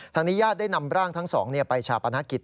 ทางนี้ญาติได้นำร่างทั้ง๒ไปชาบประณาคิต